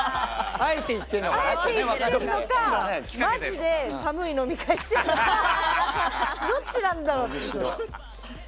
あえて、言ってるのかマジでサムい飲み会してるのかどっちなんだろうっていう。